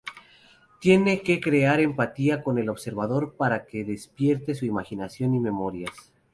Tiene que crear empatía con el observador para que despierte su imaginación y memorias...